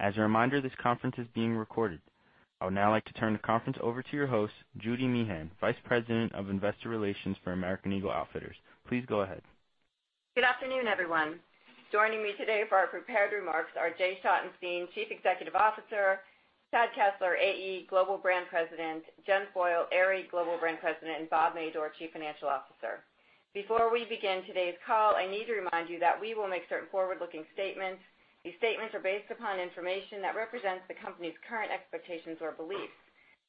As a reminder, this conference is being recorded. I would now like to turn the conference over to your host, Judy Meehan, Vice President of Investor Relations for American Eagle Outfitters. Please go ahead. Good afternoon, everyone. Joining me today for our prepared remarks are Jay Schottenstein, Chief Executive Officer, Chad Kessler, AE Global Brand President, Jen Foyle, Aerie Global Brand President, and Bob Madore, Chief Financial Officer. Before we begin today's call, I need to remind you that we will make certain forward-looking statements. These statements are based upon information that represents the company's current expectations or beliefs.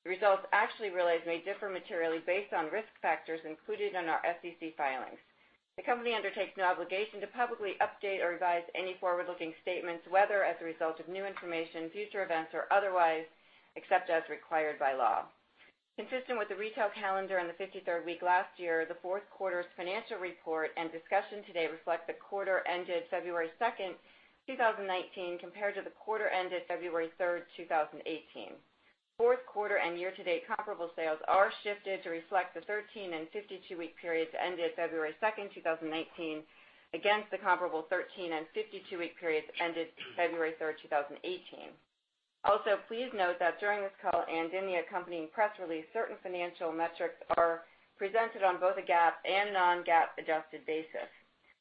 The results actually realized may differ materially based on risk factors included in our SEC filings. The company undertakes no obligation to publicly update or revise any forward-looking statements, whether as a result of new information, future events, or otherwise, except as required by law. Consistent with the retail calendar in the 53rd week last year, the fourth quarter's financial report and discussion today reflect the quarter ended February 2nd, 2019, compared to the quarter ended February 3rd, 2018. Fourth quarter and year-to-date comparable sales are shifted to reflect the 13 and 52-week periods ended February 2nd, 2019, against the comparable 13 and 52-week periods ended February 3rd, 2018. Also, please note that during this call and in the accompanying press release, certain financial metrics are presented on both a GAAP and non-GAAP adjusted basis.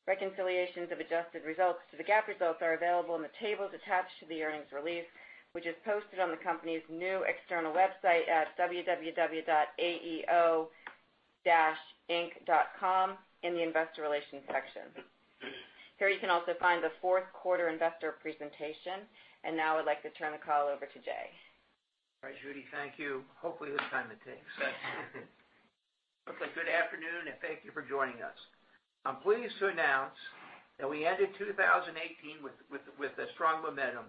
Reconciliations of adjusted results to the GAAP results are available in the tables attached to the earnings release, which is posted on the company's new external website at www.aeo-inc.com in the investor relations section. Here you can also find the fourth quarter investor presentation. Now I'd like to turn the call over to Jay. All right, Judy. Thank you. Hopefully, this time it takes. Look, good afternoon, and thank you for joining us. I'm pleased to announce that we ended 2018 with a strong momentum,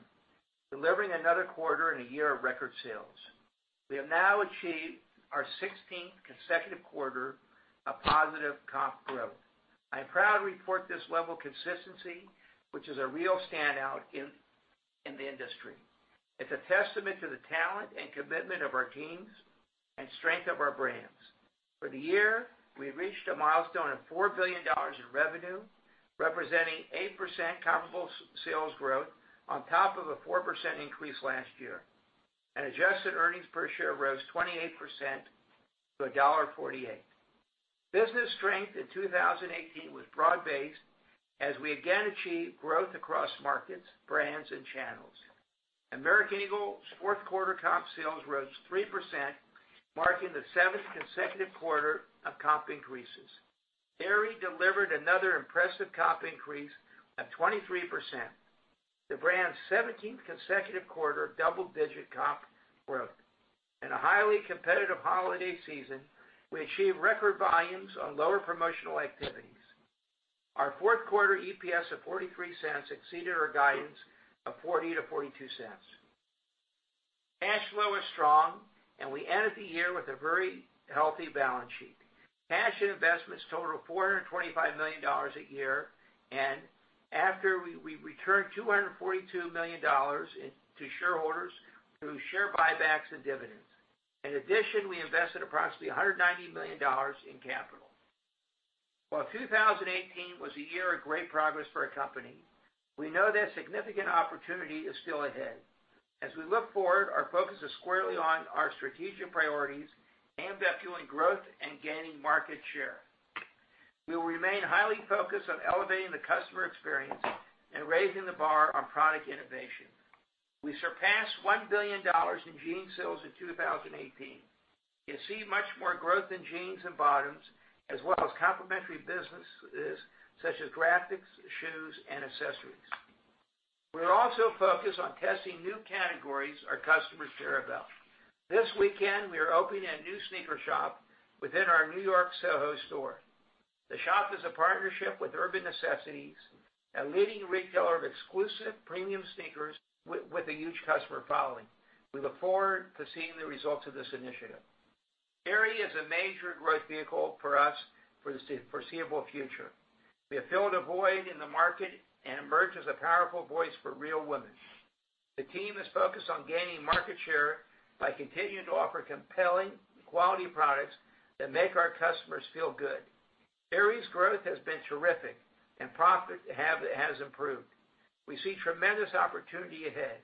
delivering another quarter and a year of record sales. We have now achieved our 16th consecutive quarter of positive comp growth. I am proud to report this level of consistency, which is a real standout in the industry. It's a testament to the talent and commitment of our teams and strength of our brands. For the year, we reached a milestone of $4 billion in revenue, representing 8% comparable sales growth on top of a 4% increase last year. Adjusted earnings per share rose 28% to $1.48. Business strength in 2018 was broad-based as we again achieved growth across markets, brands, and channels. American Eagle's fourth quarter comp sales rose 3%, marking the seventh consecutive quarter of comp increases. Aerie delivered another impressive comp increase of 23%, the brand's 17th consecutive quarter of double-digit comp growth. In a highly competitive holiday season, we achieved record volumes on lower promotional activities. Our fourth quarter EPS of $0.43 exceeded our guidance of $0.40 to $0.42. Cash flow is strong, and we ended the year with a very healthy balance sheet. Cash and investments total $425 million a year, and after we returned $242 million to shareholders through share buybacks and dividends. In addition, we invested approximately $190 million in capital. While 2018 was a year of great progress for our company, we know that significant opportunity is still ahead. As we look forward, our focus is squarely on our strategic priorities aimed at fueling growth and gaining market share. We will remain highly focused on elevating the customer experience and raising the bar on product innovation. We surpassed $1 billion in jeans sales in 2018 and see much more growth in jeans and bottoms as well as complementary businesses such as graphics, shoes, and accessories. We're also focused on testing new categories our customers care about. This weekend, we are opening a new sneaker shop within our New York Soho store. The shop is a partnership with Urban Necessities, a leading retailer of exclusive premium sneakers with a huge customer following. We look forward to seeing the results of this initiative. Aerie is a major growth vehicle for us for the foreseeable future. We have filled a void in the market and emerged as a powerful voice for real women. The team is focused on gaining market share by continuing to offer compelling quality products that make our customers feel good. Aerie's growth has been terrific and profit has improved. We see tremendous opportunity ahead.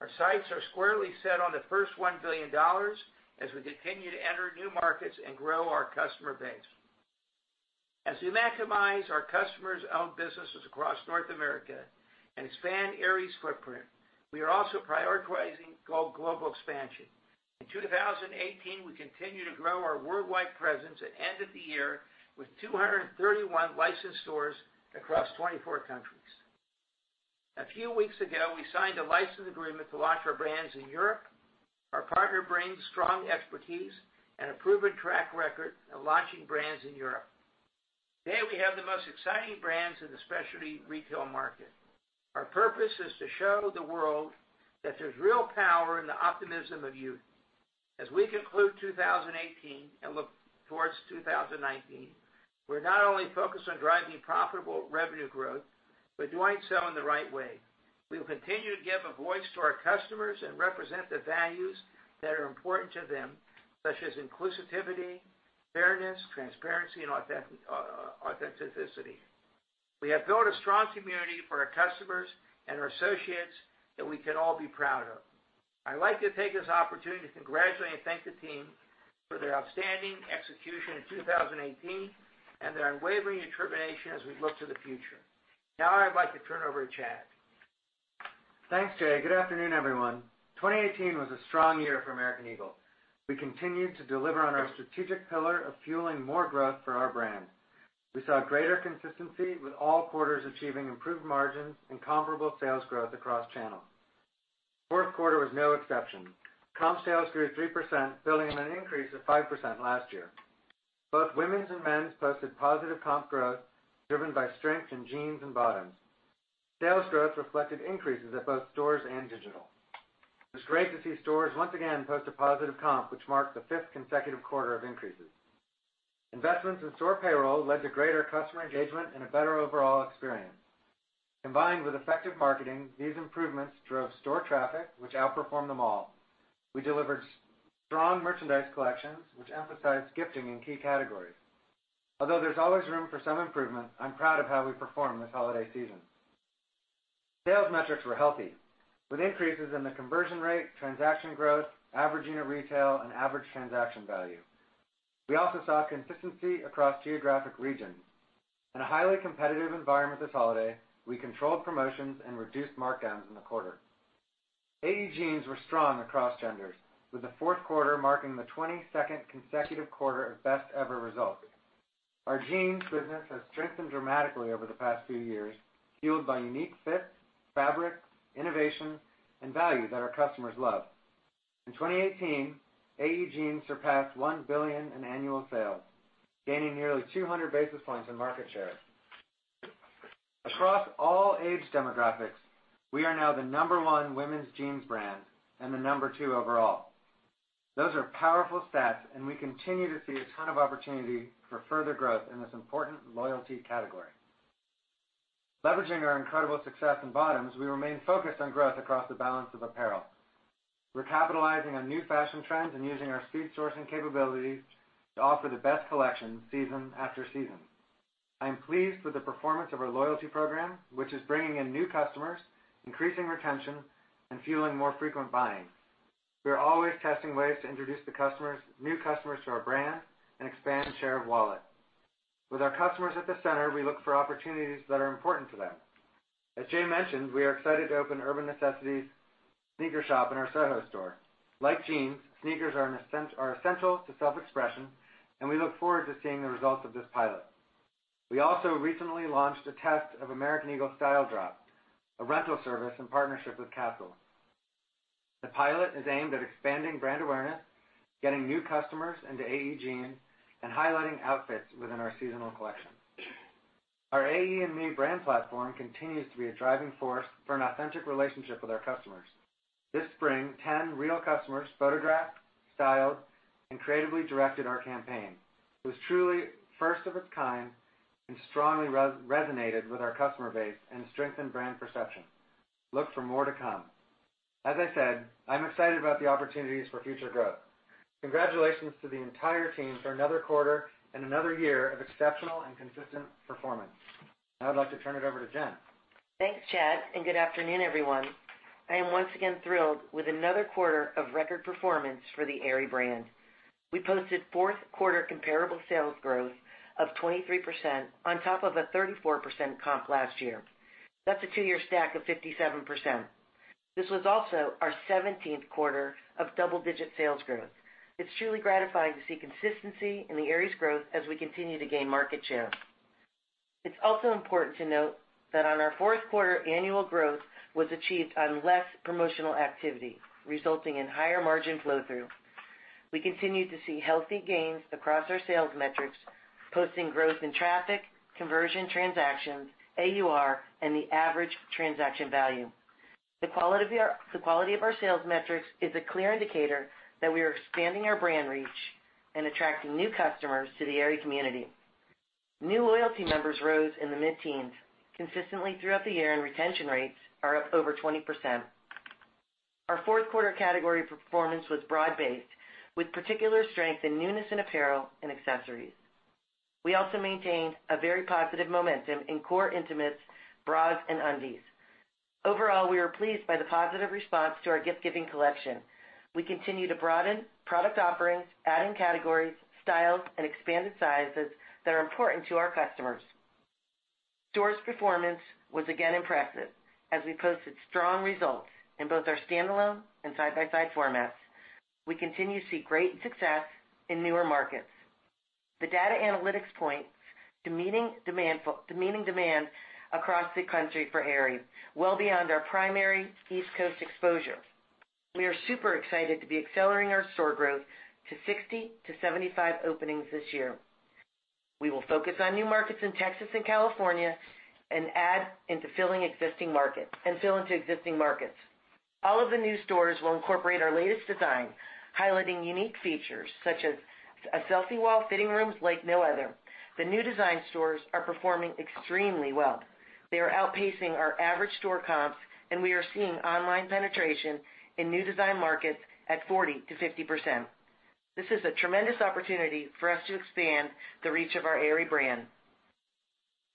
Our sights are squarely set on the first $1 billion as we continue to enter new markets and grow our customer base. As we maximize our customers' own businesses across North America and expand Aerie's footprint, we are also prioritizing global expansion. In 2018, we continued to grow our worldwide presence and ended the year with 231 licensed stores across 24 countries. A few weeks ago, we signed a license agreement to launch our brands in Europe. Our partner brings strong expertise and a proven track record of launching brands in Europe. Today, we have the most exciting brands in the specialty retail market. Our purpose is to show the world that there's real power in the optimism of youth. As we conclude 2018 and look towards 2019, we're not only focused on driving profitable revenue growth, but doing so in the right way. We will continue to give a voice to our customers and represent the values that are important to them, such as inclusivity, fairness, transparency, and authenticity. We have built a strong community for our customers and our associates that we can all be proud of. I'd like to take this opportunity to congratulate and thank the team for their outstanding execution in 2018 and their unwavering determination as we look to the future. Now, I'd like to turn it over to Chad. Thanks, Jay. Good afternoon, everyone. 2018 was a strong year for American Eagle. We continued to deliver on our strategic pillar of fueling more growth for our brand. We saw greater consistency with all quarters achieving improved margins and comparable sales growth across channels. Fourth quarter was no exception. Comp sales grew 3%, building on an increase of 5% last year. Both women's and men's posted positive comp growth, driven by strength in jeans and bottoms. Sales growth reflected increases at both stores and digital. It was great to see stores once again post a positive comp, which marked the fifth consecutive quarter of increases. Investments in store payroll led to greater customer engagement and a better overall experience. Combined with effective marketing, these improvements drove store traffic, which outperformed the mall. We delivered strong merchandise collections, which emphasized gifting in key categories. Although there's always room for some improvement, I'm proud of how we performed this holiday season. Sales metrics were healthy, with increases in the conversion rate, transaction growth, average unit retail, and average transaction value. We also saw consistency across geographic regions. In a highly competitive environment this holiday, we controlled promotions and reduced markdowns in the quarter. AE jeans were strong across genders, with the fourth quarter marking the 22nd consecutive quarter of best-ever results. Our jeans business has strengthened dramatically over the past few years, fueled by unique fits, fabric, innovation, and value that our customers love. In 2018, AE jeans surpassed $1 billion in annual sales, gaining nearly 200 basis points in market share. Across all age demographics, we are now the number one women's jeans brand and the number two overall. Those are powerful stats. We continue to see a ton of opportunity for further growth in this important loyalty category. Leveraging our incredible success in bottoms, we remain focused on growth across the balance of apparel. We're capitalizing on new fashion trends and using our speed sourcing capability to offer the best collection season after season. I am pleased with the performance of our loyalty program, which is bringing in new customers, increasing retention, and fueling more frequent buying. We are always testing ways to introduce new customers to our brand and expand share of wallet. With our customers at the center, we look for opportunities that are important to them. As Jay mentioned, we are excited to open Urban Necessities sneaker shop in our Soho store. Like jeans, sneakers are essential to self-expression, and we look forward to seeing the results of this pilot. We also recently launched a test of American Eagle Style Drop, a rental service in partnership with CaaStle. The pilot is aimed at expanding brand awareness, getting new customers into AE jeans, and highlighting outfits within our seasonal collection. Our AExME brand platform continues to be a driving force for an authentic relationship with our customers. This spring, 10 real customers photographed, styled, and creatively directed our campaign. It was truly first of its kind and strongly resonated with our customer base and strengthened brand perception. Look for more to come. As I said, I'm excited about the opportunities for future growth. Congratulations to the entire team for another quarter and another year of exceptional and consistent performance. Now I'd like to turn it over to Jen. Thanks, Chad. Good afternoon, everyone. I am once again thrilled with another quarter of record performance for the Aerie brand. We posted fourth quarter comparable sales growth of 23% on top of a 34% comp last year. That's a two-year stack of 57%. This was also our 17th quarter of double-digit sales growth. It's truly gratifying to see consistency in the Aerie's growth as we continue to gain market share. It's also important to note that on our fourth quarter, annual growth was achieved on less promotional activity, resulting in higher margin flow-through. We continue to see healthy gains across our sales metrics, posting growth in traffic, conversion, transactions, AUR, and the average transaction value. The quality of our sales metrics is a clear indicator that we are expanding our brand reach and attracting new customers to the Aerie community. New loyalty members rose in the mid-teens consistently throughout the year. Retention rates are up over 20%. Our fourth quarter category performance was broad-based, with particular strength in newness in apparel and accessories. We also maintained a very positive momentum in core Intimates, bras, and undies. Overall, we are pleased by the positive response to our gift-giving collection. We continue to broaden product offerings, adding categories, styles, and expanded sizes that are important to our customers. Stores performance was again impressive, as we posted strong results in both our standalone and side-by-side formats. We continue to see great success in newer markets. The data analytics point to meeting demand across the country for Aerie, well beyond our primary East Coast exposure. We are super excited to be accelerating our store growth to 60 to 75 openings this year. We will focus on new markets in Texas and California and fill into existing markets. All of the new stores will incorporate our latest design, highlighting unique features such as a selfie wall, fitting rooms like no other. The new design stores are performing extremely well. They are outpacing our average store comps. We are seeing online penetration in new design markets at 40% to 50%. This is a tremendous opportunity for us to expand the reach of our Aerie brand.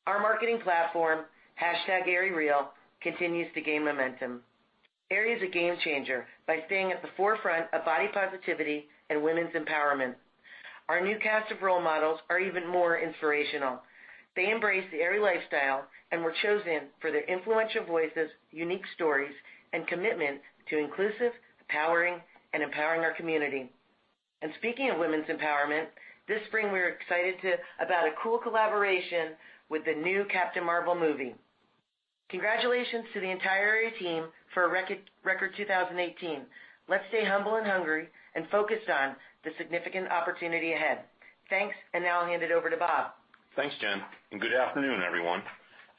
Our marketing platform, #AerieREAL, continues to gain momentum. Aerie is a game changer by staying at the forefront of body positivity and women's empowerment. Our new cast of role models are even more inspirational. They embrace the Aerie lifestyle and were chosen for their influential voices, unique stories, and commitment to inclusive, empowering our community. Speaking of women's empowerment, this spring, we're excited about a cool collaboration with the new "Captain Marvel" movie. Congratulations to the entire Aerie team for a record 2018. Let's stay humble and hungry and focused on the significant opportunity ahead. Thanks. Now I'll hand it over to Bob. Thanks, Jen, and good afternoon, everyone.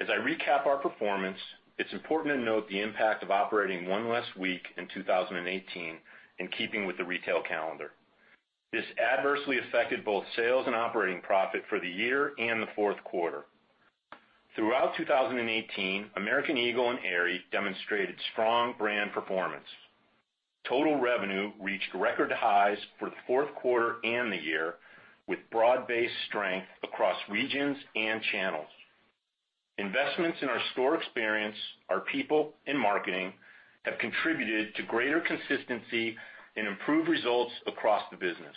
As I recap our performance, it's important to note the impact of operating one less week in 2018, in keeping with the retail calendar. This adversely affected both sales and operating profit for the year and the fourth quarter. Throughout 2018, American Eagle and Aerie demonstrated strong brand performance. Total revenue reached record highs for the fourth quarter and the year, with broad-based strength across regions and channels. Investments in our store experience, our people, and marketing have contributed to greater consistency and improved results across the business.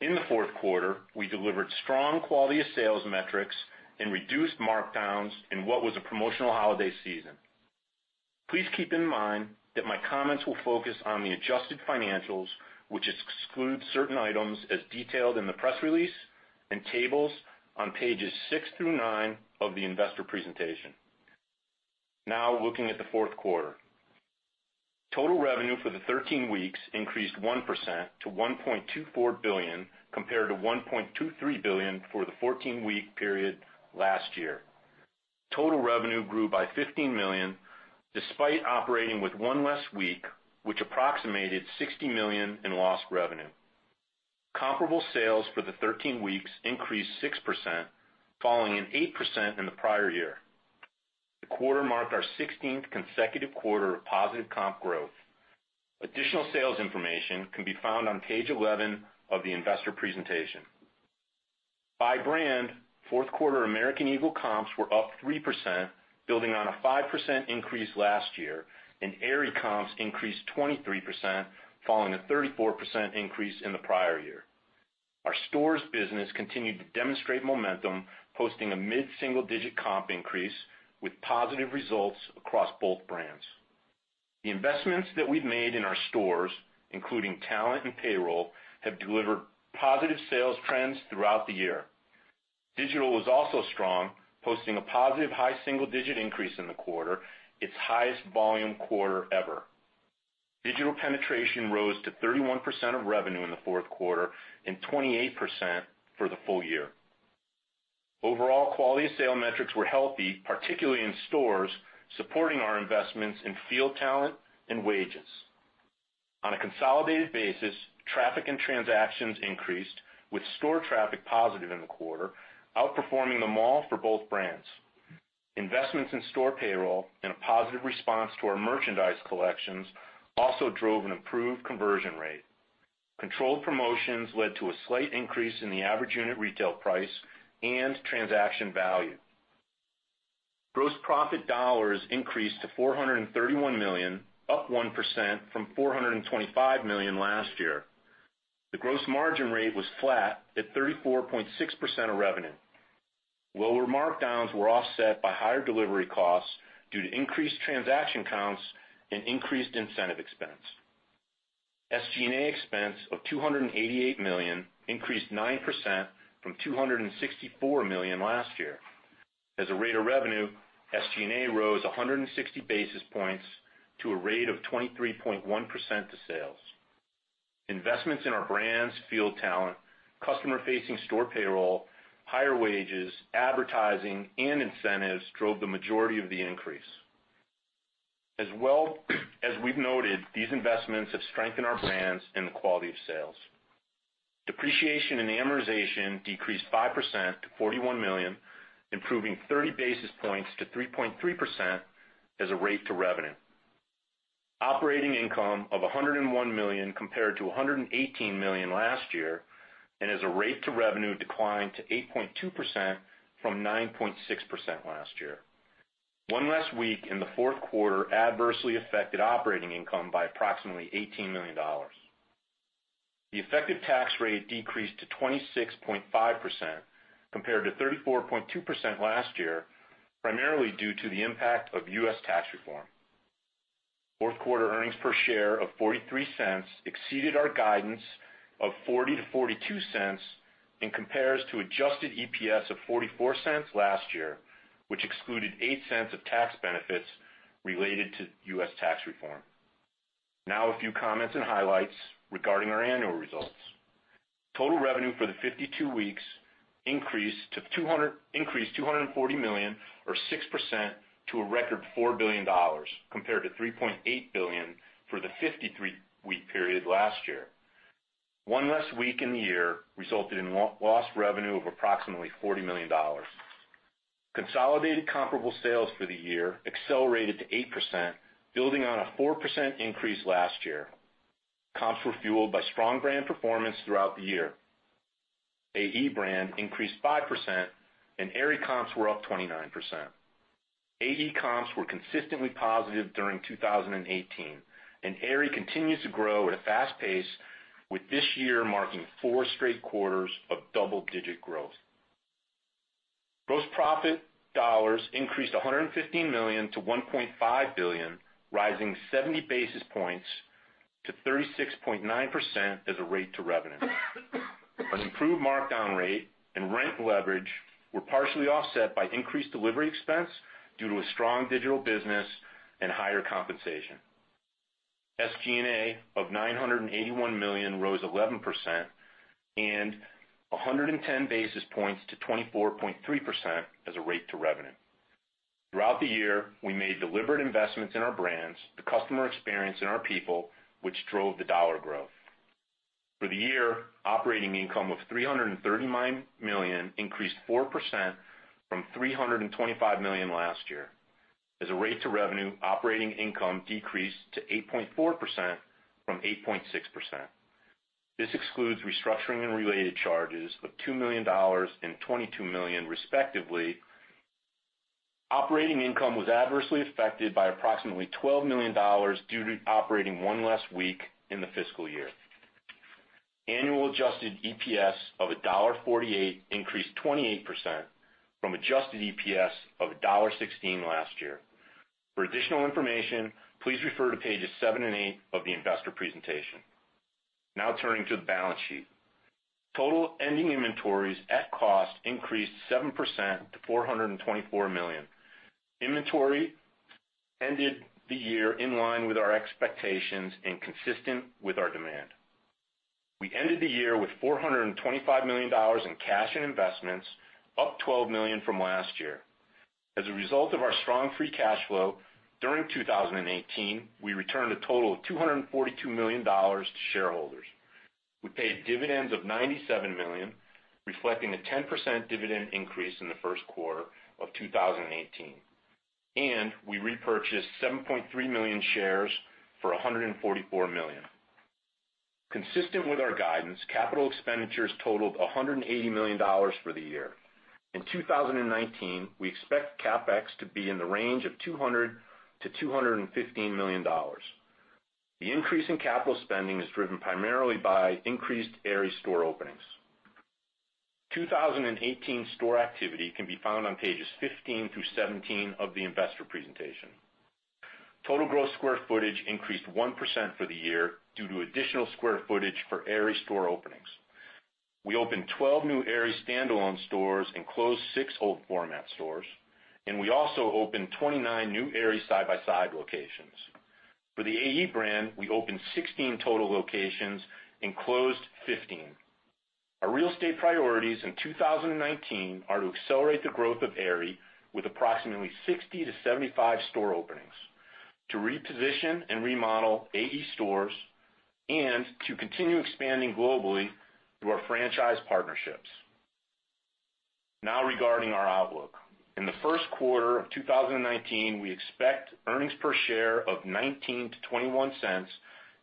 In the fourth quarter, we delivered strong quality of sales metrics and reduced markdowns in what was a promotional holiday season. Please keep in mind that my comments will focus on the adjusted financials, which exclude certain items as detailed in the press release, and tables on pages six through nine of the investor presentation. Looking at the fourth quarter. Total revenue for the 13 weeks increased 1% to $1.24 billion, compared to $1.23 billion for the 14-week period last year. Total revenue grew by $15 million despite operating with one less week, which approximated $60 million in lost revenue. Comparable sales for the 13 weeks increased 6%, following an 8% in the prior year. The quarter marked our 16th consecutive quarter of positive comp growth. Additional sales information can be found on page 11 of the investor presentation. By brand, fourth quarter American Eagle comps were up 3%, building on a 5% increase last year, and Aerie comps increased 23%, following a 34% increase in the prior year. Our stores business continued to demonstrate momentum, posting a mid-single-digit comp increase with positive results across both brands. The investments that we've made in our stores, including talent and payroll, have delivered positive sales trends throughout the year. Digital was also strong, posting a positive high single-digit increase in the quarter, its highest volume quarter ever. Digital penetration rose to 31% of revenue in the fourth quarter and 28% for the full year. Overall quality of sale metrics were healthy, particularly in stores, supporting our investments in field talent and wages. On a consolidated basis, traffic and transactions increased, with store traffic positive in the quarter, outperforming the mall for both brands. Investments in store payroll and a positive response to our merchandise collections also drove an improved conversion rate. Controlled promotions led to a slight increase in the average unit retail price and transaction value. Gross profit dollars increased to $431 million, up 1% from $425 million last year. The gross margin rate was flat at 34.6% of revenue. Lower markdowns were offset by higher delivery costs due to increased transaction counts and increased incentive expense. SG&A expense of $288 million increased 9% from $264 million last year. As a rate of revenue, SG&A rose 160 basis points to a rate of 23.1% to sales. Investments in our brands, field talent, customer-facing store payroll, higher wages, advertising, and incentives drove the majority of the increase. As we've noted, these investments have strengthened our brands and the quality of sales. Depreciation and amortization decreased 5% to $41 million, improving 30 basis points to 3.3% as a rate to revenue. Operating income of $101 million compared to $118 million last year and as a rate to revenue declined to 8.2% from 9.6% last year. One less week in the fourth quarter adversely affected operating income by approximately $18 million. The effective tax rate decreased to 26.5% compared to 34.2% last year, primarily due to the impact of U.S. tax reform. Fourth quarter earnings per share of $0.43 exceeded our guidance of $0.40-$0.42 and compares to adjusted EPS of $0.44 last year, which excluded $0.08 of tax benefits related to U.S. tax reform. A few comments and highlights regarding our annual results. Total revenue for the 52 weeks increased $240 million or 6% to a record $4 billion compared to $3.8 billion for the 53-week period last year. One less week in the year resulted in lost revenue of approximately $40 million. Consolidated comparable sales for the year accelerated to 8%, building on a 4% increase last year. Comps were fueled by strong brand performance throughout the year. AE brand increased 5%, Aerie comps were up 29%. AE comps were consistently positive during 2018, Aerie continues to grow at a fast pace, with this year marking four straight quarters of double-digit growth. Gross profit dollars increased $115 million to $1.5 billion, rising 70 basis points to 36.9% as a rate to revenue. An improved markdown rate and rent leverage were partially offset by increased delivery expense due to a strong digital business and higher compensation. SG&A of $981 million rose 11%, 110 basis points to 24.3% as a rate to revenue. Throughout the year, we made deliberate investments in our brands, the customer experience, and our people, which drove the dollar growth. For the year, operating income of $339 million increased 4% from $325 million last year. As a rate to revenue, operating income decreased to 8.4% from 8.6%. This excludes restructuring and related charges of $2 million and $22 million respectively. Operating income was adversely affected by approximately $12 million due to operating one less week in the fiscal year. Annual adjusted EPS of $1.48 increased 28% from adjusted EPS of $1.16 last year. For additional information, please refer to pages seven and eight of the investor presentation. Turning to the balance sheet. Total ending inventories at cost increased 7% to $424 million. Inventory ended the year in line with our expectations and consistent with our demand. We ended the year with $425 million in cash and investments, up $12 million from last year. As a result of our strong free cash flow during 2018, we returned a total of $242 million to shareholders. We paid dividends of $97 million, reflecting a 10% dividend increase in the first quarter of 2018, we repurchased 7.3 million shares for $144 million. Consistent with our guidance, capital expenditures totaled $180 million for the year. In 2019, we expect CapEx to be in the range of $200 million-$215 million. The increase in capital spending is driven primarily by increased Aerie store openings. 2018 store activity can be found on pages 15 through 17 of the investor presentation. Total gross square footage increased 1% for the year due to additional square footage for Aerie store openings. We opened 12 new Aerie standalone stores, closed six old format stores, we also opened 29 new Aerie side-by-side locations. For the AE brand, we opened 16 total locations and closed 15. Our real estate priorities in 2019 are to accelerate the growth of Aerie with approximately 60-75 store openings, to reposition and remodel AE stores, to continue expanding globally through our franchise partnerships. Regarding our outlook. In the first quarter of 2019, we expect earnings per share of $0.19-$0.21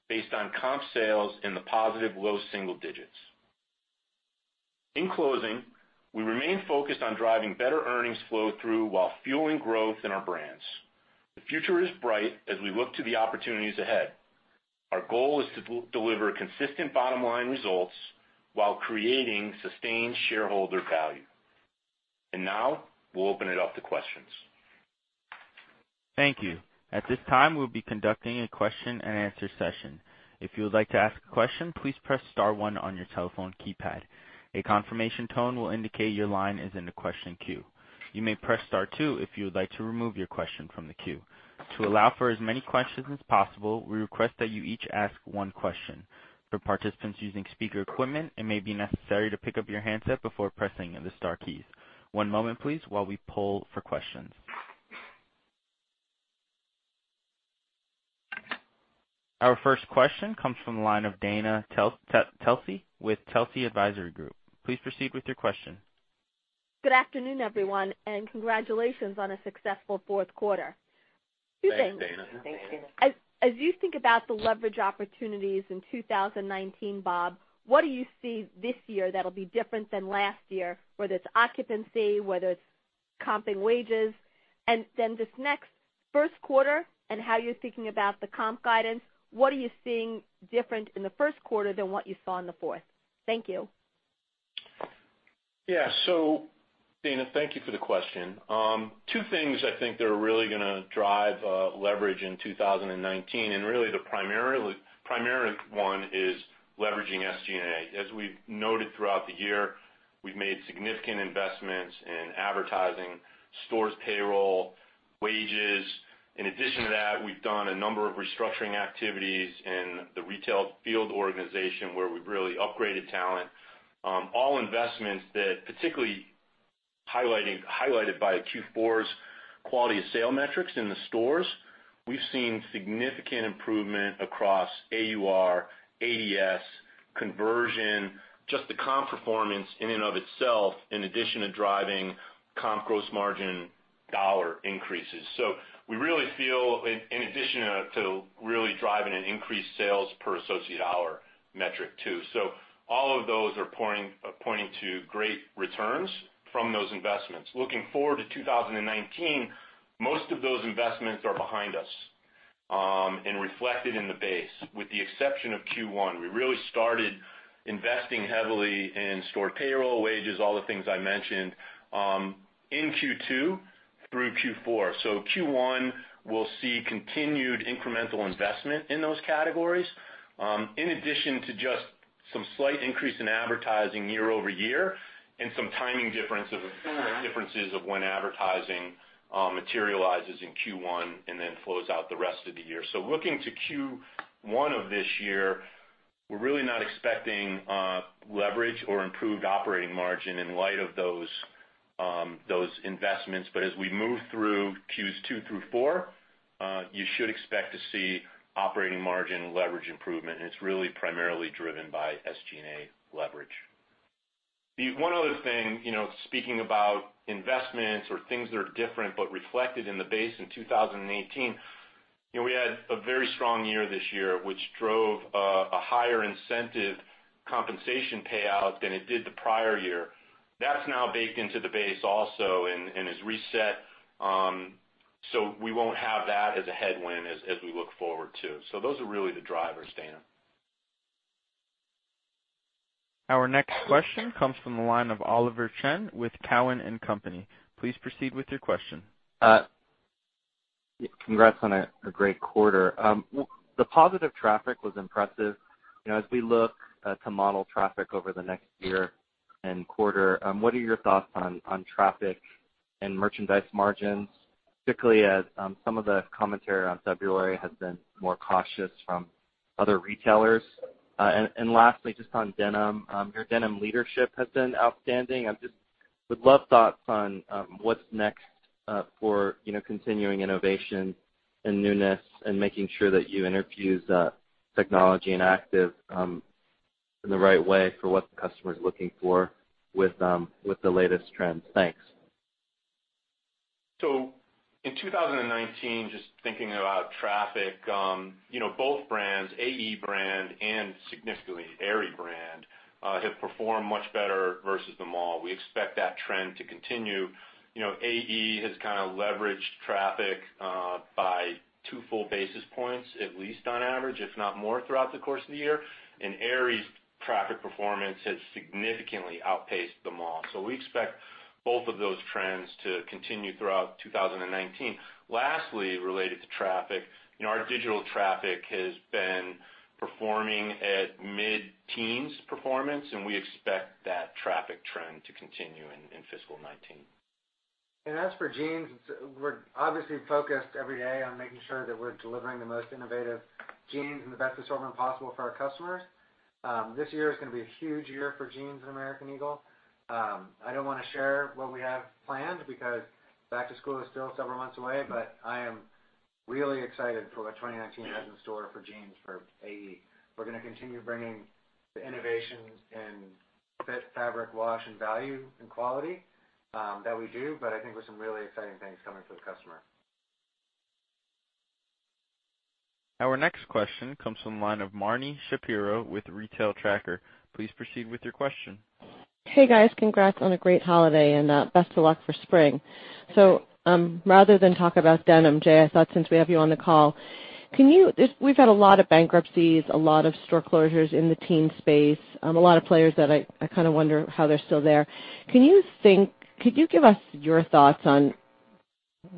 based on comp sales in the positive low single digits. In closing, we remain focused on driving better earnings flow-through while fueling growth in our brands. The future is bright as we look to the opportunities ahead. Our goal is to deliver consistent bottom-line results while creating sustained shareholder value. Now we'll open it up to questions. Thank you. At this time, we'll be conducting a question-and-answer session. If you would like to ask a question, please press *1 on your telephone keypad. A confirmation tone will indicate your line is in the question queue. You may press *2 if you would like to remove your question from the queue. To allow for as many questions as possible, we request that you each ask one question. For participants using speaker equipment, it may be necessary to pick up your handset before pressing the star keys. One moment, please, while we poll for questions. Our first question comes from the line of Dana Telsey with Telsey Advisory Group. Please proceed with your question. Good afternoon, everyone. Congratulations on a successful fourth quarter. Two things. Thanks, Dana. As you think about the leverage opportunities in 2019 Bob, what do you see this year that will be different than last year whether it is occupancy whether it is counting wages. Then this next first quarter and how you're thinking about the comp guidance, what are you seeing different in the first quarter than what you saw in the fourth? Thank you. Yeah. Dana, thank you for the question. Two things I think that are really going to drive leverage in 2019, really the primary one is leveraging SG&A. As we've noted throughout the year, we've made significant investments in advertising, stores payroll, wages. In addition to that, we've done a number of restructuring activities in the retail field organization where we've really upgraded talent. All investments that particularly highlighted by Q4's quality of sale metrics in the stores. We've seen significant improvement across AUR, ADS, conversion, just the comp performance in and of itself, in addition to driving comp gross margin dollar increases. All of those are pointing to great returns from those investments. Looking forward to 2019, most of those investments are behind us, and reflected in the base, with the exception of Q1. We really started investing heavily in store payroll, wages, all the things I mentioned, in Q2 through Q4. Q1 will see continued incremental investment in those categories, in addition to just some slight increase in advertising year-over-year and some timing differences. of when advertising materializes in Q1 and then flows out the rest of the year. Looking to Q1 of this year, we're really not expecting leverage or improved operating margin in light of those investments. As we move through Qs two through four, you should expect to see operating margin leverage improvement, and it's really primarily driven by SG&A leverage. The one other thing, speaking about investments or things that are different but reflected in the base in 2018, we had a very strong year this year, which drove a higher incentive compensation payout than it did the prior year. That's now baked into the base also and is reset, so we won't have that as a headwind as we look forward, too. Those are really the drivers, Dana. Our next question comes from the line of Oliver Chen with Cowen and Company. Please proceed with your question. Congrats on a great quarter. The positive traffic was impressive. As we look to model traffic over the next year and quarter, what are your thoughts on traffic and merchandise margins, particularly as some of the commentary on February has been more cautious from other retailers? Lastly, just on Denim. Your Denim leadership has been outstanding. I just would love thoughts on what's next for continuing innovation and newness and making sure that you infuse technology and active in the right way for what the customer's looking for with the latest trends. Thanks. In 2019, just thinking about traffic, both brands, AE brand and significantly Aerie brand, have performed much better versus the mall. We expect that trend to continue. AE has leveraged traffic by two full basis points, at least on average, if not more throughout the course of the year. Aerie's traffic performance has significantly outpaced the mall. We expect both of those trends to continue throughout 2019. Lastly, related to traffic, our digital traffic has been performing at mid-teens performance, and we expect that traffic trend to continue in fiscal 2019. As for jeans, we're obviously focused every day on making sure that we're delivering the most innovative jeans and the best assortment possible for our customers. This year is going to be a huge year for jeans at American Eagle. I don't want to share what we have planned because back to school is still several months away, but I am really excited for what 2019 has in store for jeans for AE. We're going to continue bringing the innovations in fit, fabric, wash, and value and quality that we do, but I think with some really exciting things coming for the customer. Our next question comes from the line of Marni Shapiro with Retail Tracker. Please proceed with your question. Hey, guys. Congrats on a great holiday, and best of luck for spring. Rather than talk about denim, Jay, I thought since we have you on the call, we've had a lot of bankruptcies, a lot of store closures in the teen space, a lot of players that I wonder how they're still there. Could you give us your thoughts on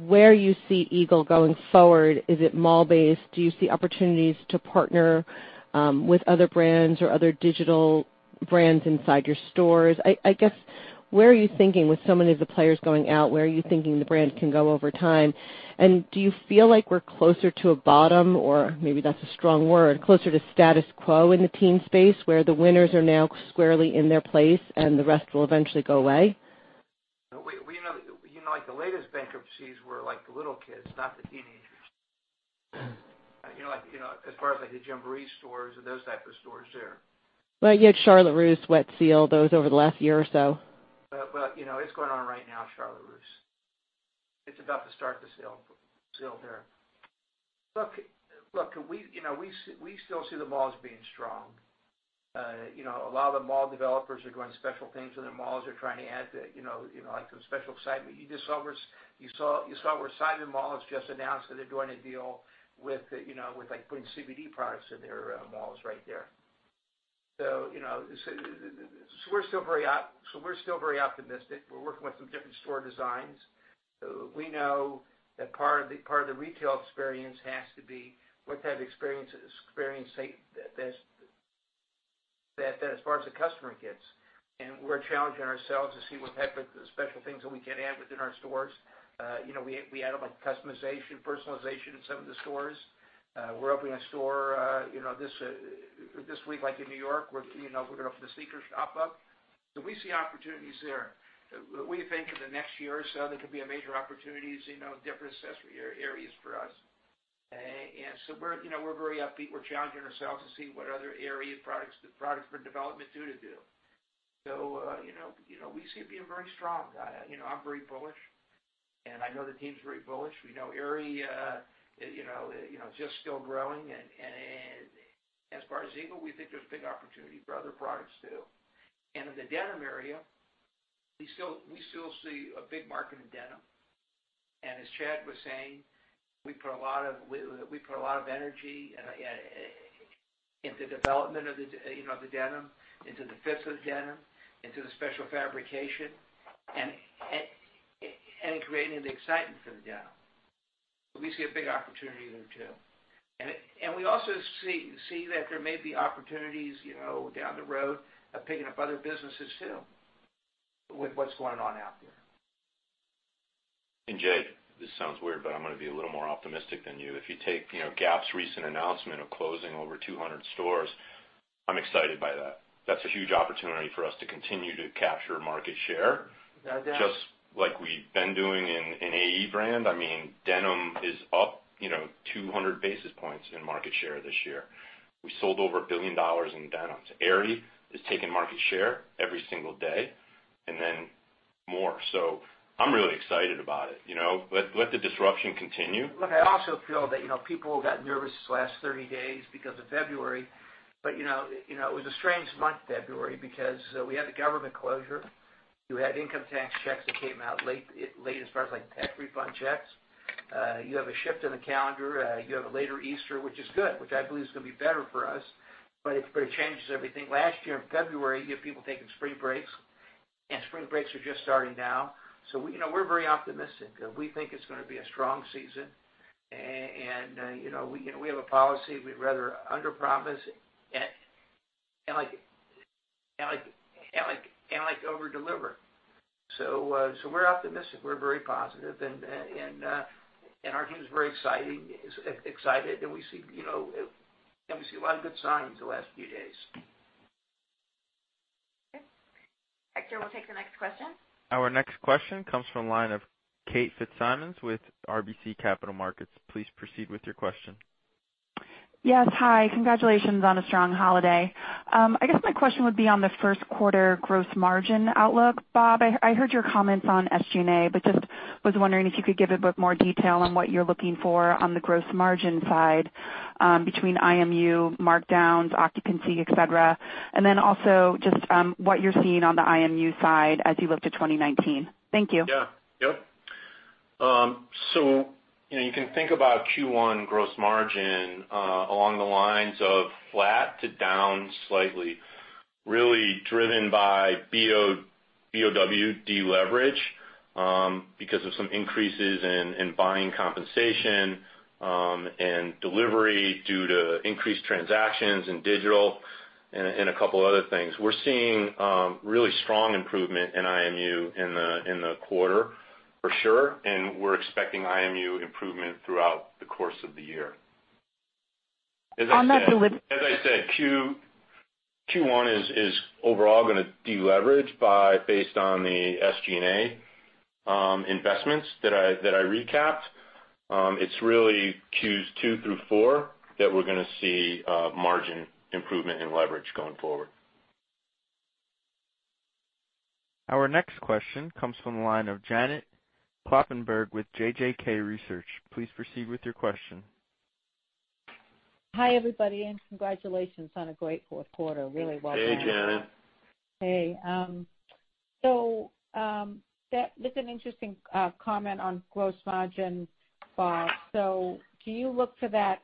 where you see Eagle going forward? Is it mall-based? Do you see opportunities to partner with other brands or other digital brands inside your stores? I guess, with so many of the players going out, where are you thinking the brand can go over time? Do you feel like we're closer to a bottom, or maybe that's a strong word, closer to status quo in the teen space, where the winners are now squarely in their place and the rest will eventually go away? The latest bankruptcies were the little kids, not the teenagers. As far as the Gymboree stores and those type of stores there. Well, you had Charlotte Russe, Wet Seal, those over the last year or so. Well, it's going on right now, Charlotte Russe. It's about to start the sale there. Look, we still see the malls being strong. A lot of the mall developers are doing special things in their malls. They're trying to add some special excitement. You just saw where Simon Malls just announced that they're doing a deal with putting CBD products in their malls right there. We're still very optimistic. We're working with some different store designs. We know that part of the retail experience has to be what type of experience that as far as the customer gets. We're challenging ourselves to see what type of special things that we can add within our stores. We added customization, personalization in some of the stores. We're opening a store this week in New York, where we're going to open a sneaker shop up. We see opportunities there. We think in the next year or so, there could be major opportunities, different accessory areas for us. We're very upbeat. We're challenging ourselves to see what other area products for development do. We see it being very strong. I'm very bullish, and I know the team's very bullish. We know Aerie is just still growing. As far as Eagle, we think there's big opportunity for other products, too. In the Denim area, we still see a big market in Denim. As Chad was saying, we put a lot of energy in the development of the Denim, into the fits of the Denim, into the special fabrication, and creating the excitement for the Denim. We see a big opportunity there, too. We also see that there may be opportunities, down the road, of picking up other businesses too, with what's going on out there. Jay, this sounds weird, I'm going to be a little more optimistic than you. If you take Gap's recent announcement of closing over 200 stores, I'm excited by that. That's a huge opportunity for us to continue to capture market share. No doubt. Just like we've been doing in AE brand. Denim is up 200 basis points in market share this year. We sold over $1 billion in denims. Aerie is taking market share every single day, more. I'm really excited about it. Let the disruption continue. Look, I also feel that, people got nervous this last 30 days because of February. It was a strange month, February, because we had the government closure. You had income tax checks that came out late, as far as like tax refund checks. You have a shift in the calendar. You have a later Easter, which is good, which I believe is going to be better for us. It changes everything. Last year in February, you had people taking spring breaks, spring breaks are just starting now. We're very optimistic. We think it's going to be a strong season. We have a policy, we'd rather under promise and over deliver. We're optimistic. We're very positive and our team's very excited. We see a lot of good signs the last few days. Okay. Hector, we'll take the next question. Our next question comes from the line of Kate Fitzsimons with RBC Capital Markets. Please proceed with your question. Yes, hi. Congratulations on a strong holiday. I guess my question would be on the first quarter gross margin outlook. Bob, I heard your comments on SG&A, but just was wondering if you could give a bit more detail on what you're looking for on the gross margin side, between IMU, markdowns, occupancy, et cetera. Also just what you're seeing on the IMU side as you look to 2019. Thank you. Yeah. You can think about Q1 gross margin along the lines of flat to down slightly, really driven by B&O deleverage, because of some increases in buying compensation, and delivery due to increased transactions in digital and a couple other things. We're seeing really strong improvement in IMU in the quarter for sure. We're expecting IMU improvement throughout the course of the year. As I said, Q1 is overall going to deleverage based on the SG&A investments that I recapped. It's really Qs 2 through 4 that we're gonna see margin improvement and leverage going forward. Our next question comes from the line of Janet Kloppenburg with JJK Research. Please proceed with your question. Hi everybody, congratulations on a great fourth quarter. Really well done. Hey, Janet. Hey. That's an interesting comment on gross margin, Bob. Do you look for that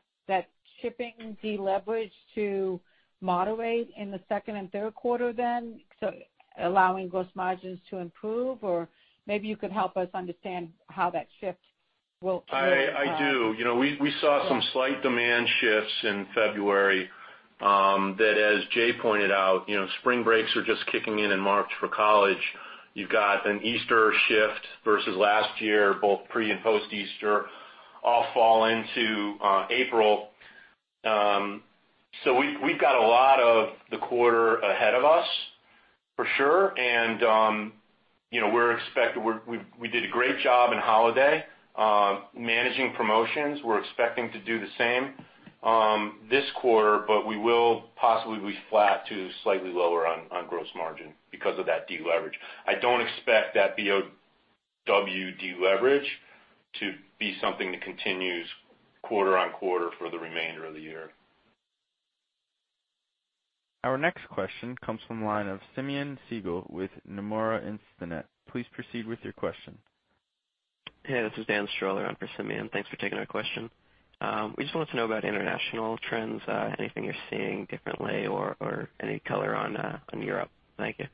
shipping deleverage to moderate in the second and third quarter then, so allowing gross margins to improve? Maybe you could help us understand how that shift. I do. We saw some slight demand shifts in February, that, as Jay pointed out, spring breaks are just kicking in in March for college. You've got an Easter shift versus last year, both pre- and post-Easter, all fall into April. We've got a lot of the quarter ahead of us for sure. We did a great job in holiday, managing promotions. We're expecting to do the same this quarter, but we will possibly be flat to slightly lower on gross margin because of that deleverage. I don't expect that B&O deleverage to be something that continues quarter on quarter for the remainder of the year. Our next question comes from the line of Simeon Siegel with Nomura Instinet. Please proceed with your question. Hey, this is Dan Stroller in for Simeon. Thanks for taking our question. We just wanted to know about international trends, anything you're seeing differently or any color on Europe. Thank you.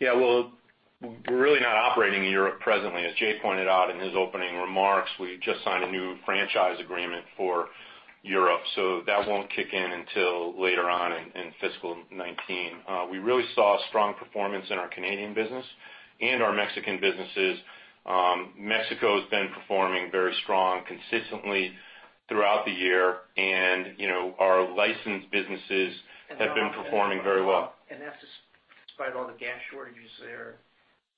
Yeah. Well, we're really not operating in Europe presently. As Jay pointed out in his opening remarks, we just signed a new franchise agreement for Europe, so that won't kick in until later on in fiscal 2019. We really saw strong performance in our Canadian business and our Mexican businesses. Mexico has been performing very strong consistently throughout the year. Our licensed businesses have been performing very well. That's despite all the gas shortages there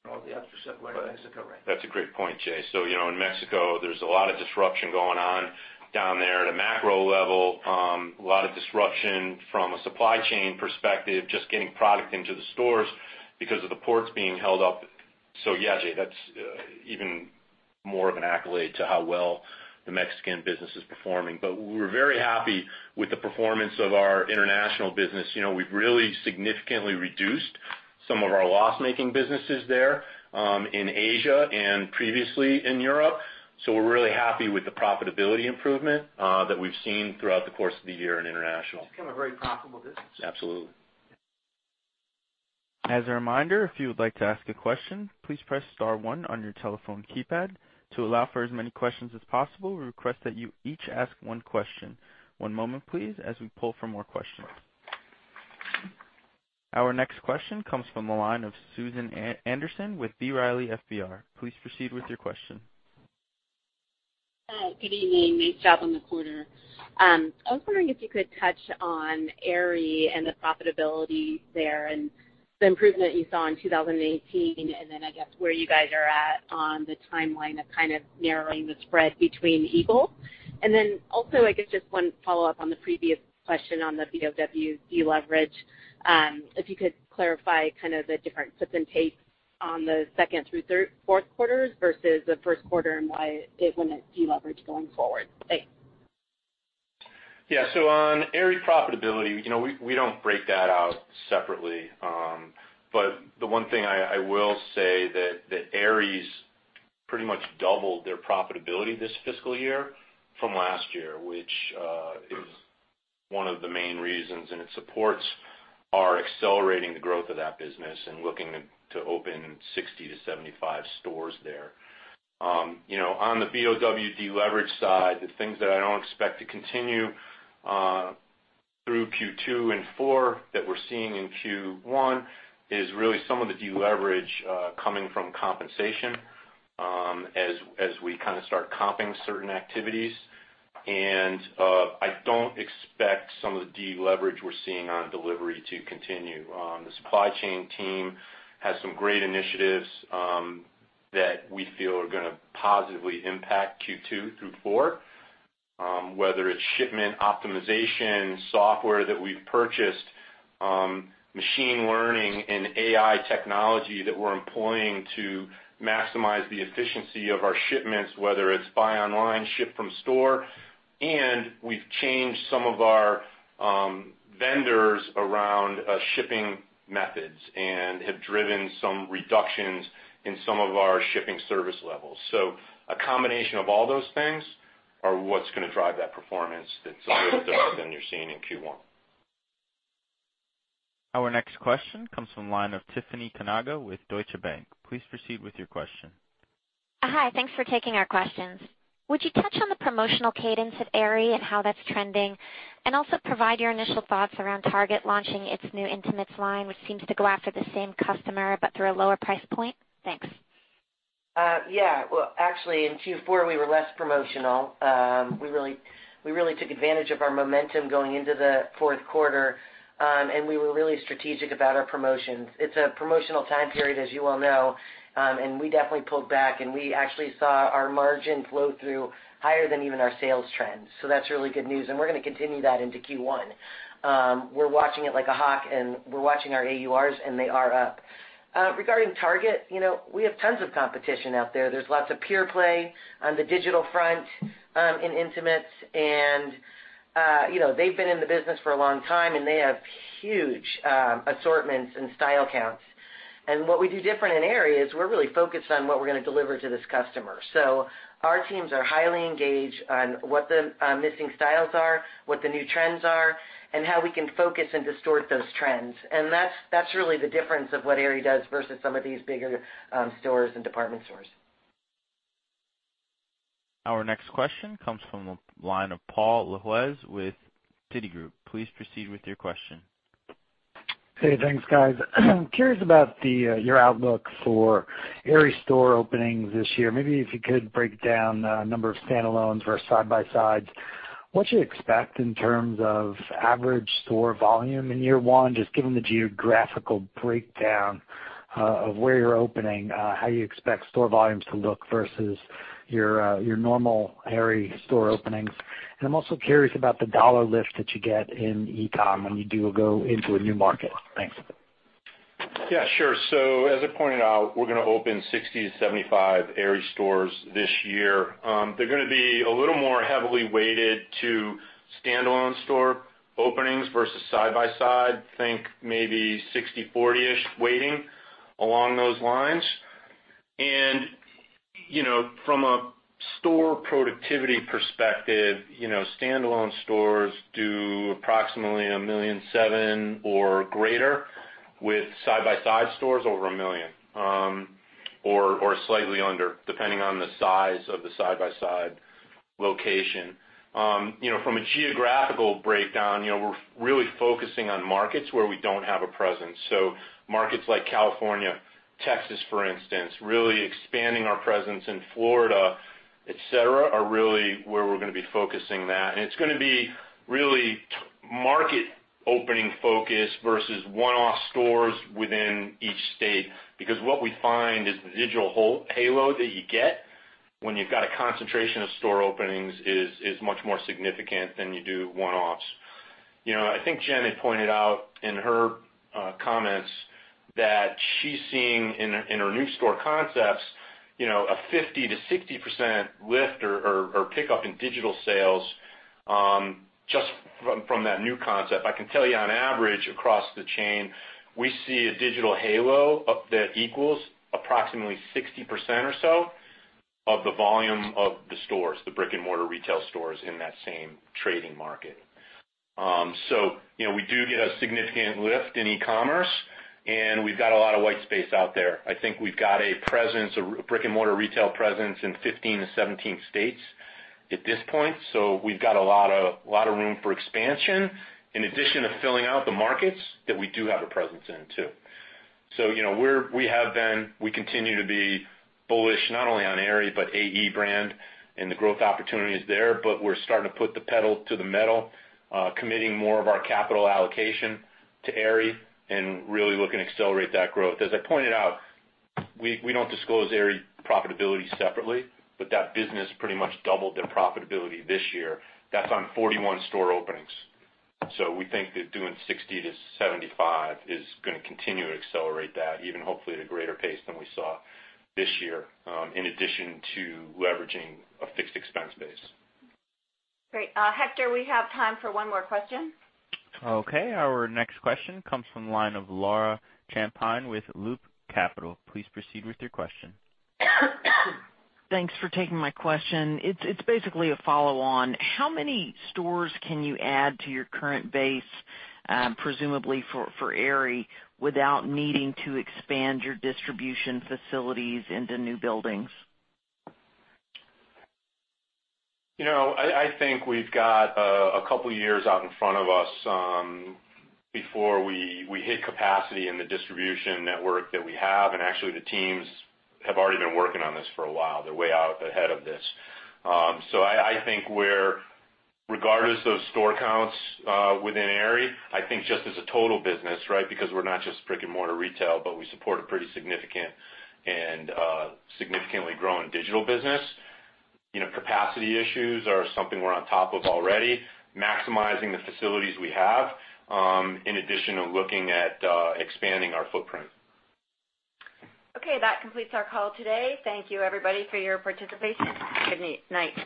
and all the other stuff going on in Mexico, right? That's a great point, Jay. In Mexico, there's a lot of disruption going on down there at a macro level. A lot of disruption from a supply chain perspective, just getting product into the stores because of the ports being held up. Yeah, Jay, that's even more of an accolade to how well the Mexican business is performing. We're very happy with the performance of our international business. We've really significantly reduced some of our loss-making businesses there, in Asia and previously in Europe. We're really happy with the profitability improvement that we've seen throughout the course of the year in international. It's become a very profitable business. Absolutely. As a reminder, if you would like to ask a question, please press star one on your telephone keypad. To allow for as many questions as possible, we request that you each ask one question. One moment, please, as we pull for more questions. Our next question comes from the line of Susan Anderson with B. Riley FBR. Please proceed with your question. Hi, good evening. Nice job on the quarter. I was wondering if you could touch on Aerie and the profitability there, and the improvement you saw in 2018. I guess where you guys are at on the timeline of kind of narrowing the spread between Eagle. Also, I guess just one follow-up on the previous question on the B&O deleverage, if you could clarify kind of the different clips and tapes on the second through fourth quarters versus the first quarter, and why it wasn't a deleverage going forward. Thanks. Yeah. On Aerie profitability, we don't break that out separately. The one thing I will say that Aerie's pretty much doubled their profitability this fiscal year from last year, which is one of the main reasons, and it supports our accelerating the growth of that business and looking to open 60 to 75 stores there. On the B&O deleverage side, the things that I don't expect to continue through Q2 and four that we're seeing in Q1 is really some of the deleverage coming from compensation as we kind of start comping certain activities. I don't expect some of the deleverage we're seeing on delivery to continue. The supply chain team has some great initiatives that we feel are gonna positively impact Q2 through four, whether it's shipment optimization software that we've purchased, machine learning and AI technology that we're employing to maximize the efficiency of our shipments, whether it's buy online, ship from store. We've changed some of our vendors around shipping methods and have driven some reductions in some of our shipping service levels. A combination of all those things are what's gonna drive that performance that's a little different than you're seeing in Q1. Our next question comes from the line of Tiffany Kanaga with Deutsche Bank. Please proceed with your question. Hi. Thanks for taking our questions. Would you touch on the promotional cadence at Aerie and how that's trending? Also provide your initial thoughts around Target launching its new Intimates line, which seems to go after the same customer, but through a lower price point. Thanks. Yeah. Well, actually, in Q4, we were less promotional. We really took advantage of our momentum going into the fourth quarter. We were really strategic about our promotions. It's a promotional time period, as you well know. We definitely pulled back, and we actually saw our margin flow through higher than even our sales trends. That's really good news, and we're gonna continue that into Q1. We're watching it like a hawk, and we're watching our AURs, and they are up. Regarding Target, we have tons of competition out there. There's lots of pure play on the digital front in Intimates, and they've been in the business for a long time, and they have huge assortments and style counts. What we do different in Aerie is we're really focused on what we're gonna deliver to this customer. Our teams are highly engaged on what the missing styles are, what the new trends are, and how we can focus and distort those trends. That's really the difference of what Aerie does versus some of these bigger stores and department stores. Our next question comes from the line of Paul Lejuez with Citi. Please proceed with your question. Hey, thanks, guys. I'm curious about your outlook for Aerie store openings this year. Maybe if you could break down the number of standalones versus side by sides. What do you expect in terms of average store volume in year one, just given the geographical breakdown of where you're opening, how you expect store volumes to look versus your normal Aerie store openings? I'm also curious about the dollar lift that you get in eCom when you do go into a new market. Thanks. Yeah, sure. As I pointed out, we're gonna open 60-75 Aerie stores this year. They're gonna be a little more heavily weighted to standalone store openings versus side by side, think maybe 60-40-ish weighting, along those lines. From a store productivity perspective, standalone stores do approximately $1.7 million or greater, with side by side stores over $1 million or slightly under, depending on the size of the side by side location. From a geographical breakdown, we're really focusing on markets where we don't have a presence. Markets like California, Texas, for instance. Really expanding our presence in Florida et cetera, are really where we're going to be focusing that. It's going to be really market opening focus versus one-off stores within each state, because what we find is the digital halo that you get when you've got a concentration of store openings is much more significant than you do one-offs. I think Jen had pointed out in her comments that she's seeing, in her new store concepts, a 50%-60% lift or pickup in digital sales just from that new concept. I can tell you on average, across the chain, we see a digital halo that equals approximately 60% or so of the volume of the stores, the brick-and-mortar retail stores in that same trading market. We do get a significant lift in e-commerce, and we've got a lot of white space out there. I think we've got a brick-and-mortar retail presence in 15-17 states at this point. We've got a lot of room for expansion in addition to filling out the markets that we do have a presence in, too. We continue to be bullish not only on Aerie, but AE brand, the growth opportunity is there, but we're starting to put the pedal to the metal, committing more of our capital allocation to Aerie, really looking to accelerate that growth. As I pointed out, we don't disclose Aerie profitability separately, but that business pretty much doubled their profitability this year. That's on 41 store openings. We think that doing 60-75 is gonna continue to accelerate that even hopefully at a greater pace than we saw this year, in addition to leveraging a fixed expense base. Great. Hector, we have time for one more question. Our next question comes from the line of Laura Champine with Loop Capital. Please proceed with your question. Thanks for taking my question. It's basically a follow-on. How many stores can you add to your current base, presumably for Aerie, without needing to expand your distribution facilities into new buildings? I think we've got a couple of years out in front of us before we hit capacity in the distribution network that we have. Actually, the teams have already been working on this for a while. They're way out ahead of this. I think regardless of store counts within Aerie, I think just as a total business, because we're not just brick-and-mortar retail, but we support a pretty significant and significantly growing digital business. Capacity issues are something we're on top of already, maximizing the facilities we have, in addition to looking at expanding our footprint. Okay, that completes our call today. Thank you everybody for your participation. Good night.